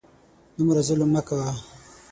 دومره ظلم مه کوه !